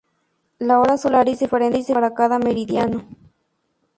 La hora solar es diferente para cada meridiano.